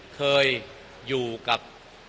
เคยอยู่กับ